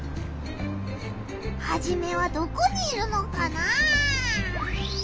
ハジメはどこにいるのかな？